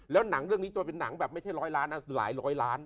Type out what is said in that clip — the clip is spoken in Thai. แล้วหนังเรื่องนี้จะเป็นหนังแบบไม่ใช่ร้อยล้านนะหลายร้อยล้าน